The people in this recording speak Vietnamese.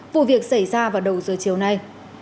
vụ việc xảy ra vào đầu giờ chiều nay